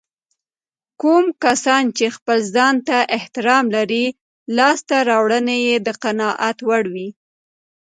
کوم کسان چې خپل ځانته احترام لري لاسته راوړنې يې د قناعت وړ وي.